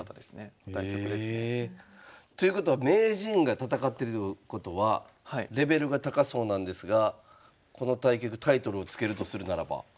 対局ですね。ということは名人が戦ってるってことはレベルが高そうなんですがこの対局タイトルを付けるとするならば？